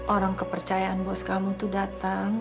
orang kepercayaan bos kamu itu datang